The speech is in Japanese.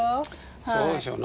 そうでしょうな。